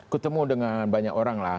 ketemu dengan banyak orang lah